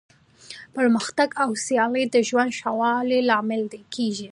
پرمختګ او سیالي د ژوند د ښه والي لامل کیږي.